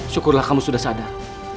syukurlah kamu sudah sadar